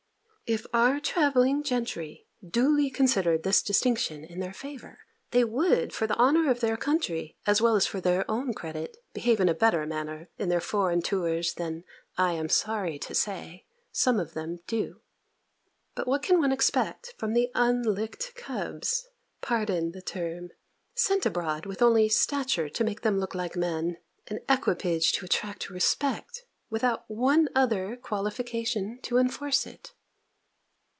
If our travelling gentry duly considered this distinction in their favour, they would, for the honour of their country, as well as for their own credit, behave in a better manner, in their foreign tours, than, I am sorry to say, some of them do. But what can one expect from the unlicked cubs (pardon the term) sent abroad with only stature, to make them look like men, and equipage to attract respect, without one other qualification to enforce it?